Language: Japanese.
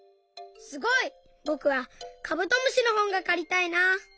すごい！ぼくはカブトムシのほんがかりたいな。